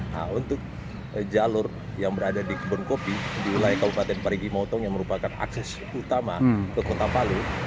nah untuk jalur yang berada di kebun kopi di wilayah kabupaten parigi motong yang merupakan akses utama ke kota palu